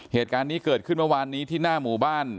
เหตุการณ์นี้เกิดขึ้นเมื่อวานนี้ที่หน้าหมู่บ้าน